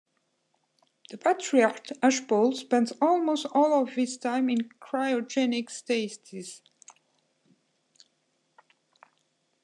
The patriarch Ashpool spends almost all of his time in cryogenic stasis.